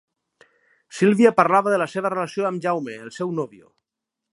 Sílvia parlava de la seva relació amb Jaume, el seu nòvio.